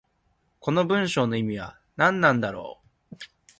この文章の意味は何だろう。